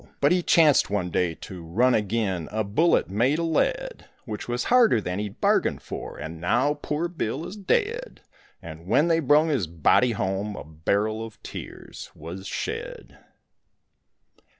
But he chanced one day to run agin A bullet made o' lead, Which was harder than he bargained for And now poor Bill is dead; And when they brung his body home A barrel of tears was shed.